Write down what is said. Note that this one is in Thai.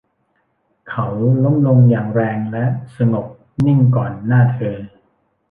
เขาล้มลงอย่างแรงและสงบนิ่งก่อนหน้าเธอ